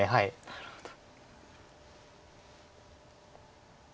なるほど。